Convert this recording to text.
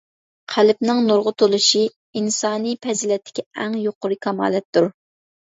قەلبنىڭ نۇرغا تولۇشى ئىنسانىي پەزىلەتتىكى ئەڭ يۇقىرى كامالەتتۇر.